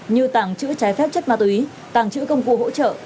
như tàng chữ trái phép chất ma túy tàng chữ công cụ hỗ trợ